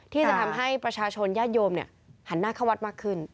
ที่จะทำให้ประชาชนญาติโยมหันหน้าเข้าวัดมากขึ้น